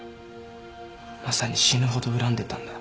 まさに死ぬほど恨んでたんだ。